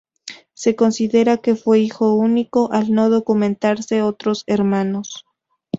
Se considera que fue hijo único, al no documentarse otros hermanos.